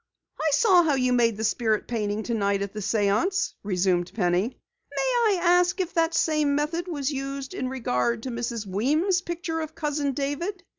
"I saw how you made the spirit painting tonight at the séance," resumed Penny. "May I ask if that same method was used in regard to Mrs. Weem's picture of Cousin David?"